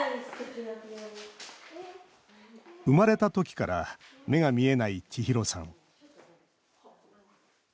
生まれたときから目が見えない、ちひろさん。